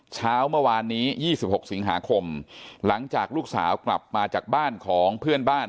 เช้าเมื่อวานนี้๒๖สิงหาคมหลังจากลูกสาวกลับมาจากบ้านของเพื่อนบ้าน